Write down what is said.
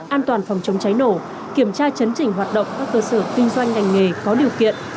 an toàn phòng chống cháy nổ kiểm tra chấn chỉnh hoạt động các cơ sở kinh doanh ngành nghề có điều kiện